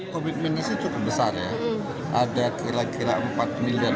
komitmennya sih cukup besar ya ada kira kira empat miliar